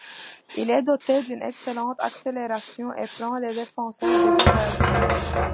Il est doté d'une excellente accélération et prend les défenseurs de vitesse.